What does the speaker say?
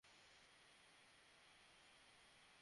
ফিরোজা রঙের টা নেওয়া যাবে না।